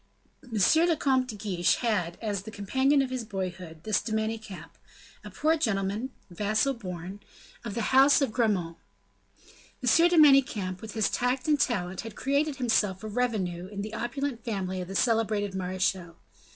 M. le Comte de Guiche had had, as the companion of his boyhood, this De Manicamp, a poor gentleman, vassal born, of the house of Gramont. M. de Manicamp, with his tact and talent had created himself a revenue in the opulent family of the celebrated marechal.